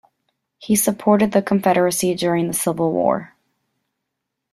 He supported the Confederacy during the Civil War.